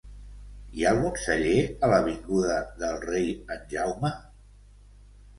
Hi ha algun celler a l'avinguda del Rei en Jaume?